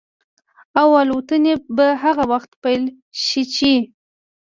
او الوتنې به هغه وخت پيل شي چې